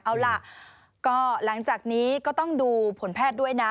เอาล่ะก็หลังจากนี้ก็ต้องดูผลแพทย์ด้วยนะ